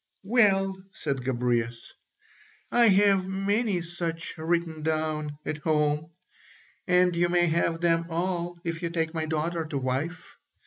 "Well," said Gobryas, "I have many such written down at home, and you may have them all if you take my daughter to wife.